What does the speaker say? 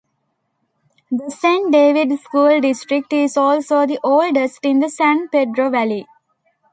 The Saint David School District is also the oldest in the San Pedro Valley.